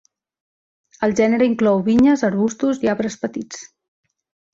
El gènere inclou vinyes, arbustos i arbres petits.